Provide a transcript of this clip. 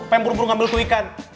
pengen burung burung ambil tuh ikan